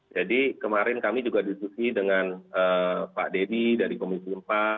jadi kemarin kami juga dituduhi dengan pak dedy dari komisi empat